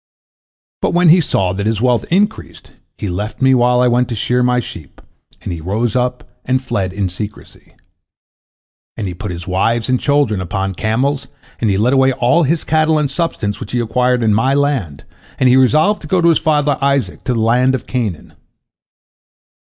But when he saw that his wealth increased, he left me while I went to shear my sheep, and he rose up and fled in secrecy. And he put his wives and children upon camels, and he led away all his cattle and substance which he acquired in my land, and he resolved to go to his father Isaac, to the land of Canaan.